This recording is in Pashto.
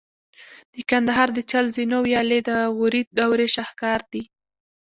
د کندهار د چل زینو ویالې د غوري دورې شاهکار دي